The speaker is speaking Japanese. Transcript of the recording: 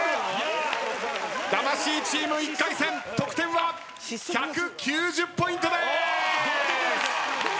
魂チーム１回戦得点は１９０ポイントでーす！